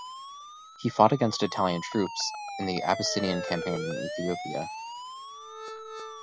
He fought against Italian troops in the Abyssinian Campaign in Ethiopia.